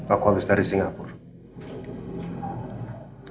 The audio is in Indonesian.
aku habis dari singapura